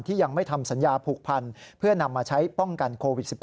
ยังไม่ทำสัญญาผูกพันเพื่อนำมาใช้ป้องกันโควิด๑๙